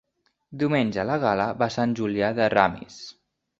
Diumenge na Gal·la va a Sant Julià de Ramis.